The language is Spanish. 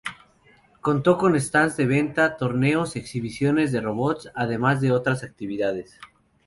Contó con stands de venta, torneos, exhibiciones de robots además de otras actividades.